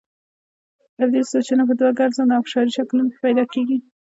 تبدیل سویچونه په دوو ګرځنده او فشاري شکلونو کې پیدا کېږي.